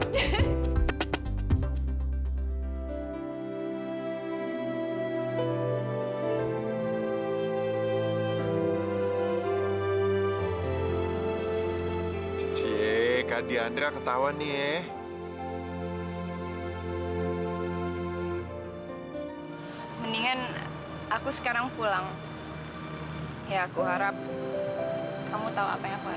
gak janji ya kalau dia seganteng berat bener